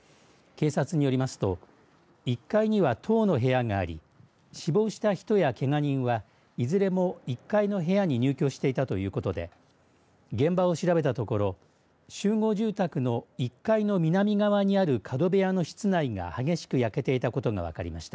警察によりますと１階には１０の部屋があり死亡した人やけが人はいずれも１階の部屋に入居していたということで現場を調べたところ集合住宅の１階の南側にある角部屋の室内が激しく焼けていたことが分かりました。